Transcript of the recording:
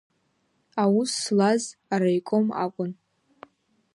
Аус злаз араиком акәын.